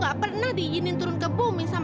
aku ga pernah diinin turun ke bumi kamu